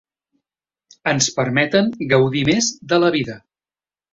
Ens permeten gaudir més de la vida.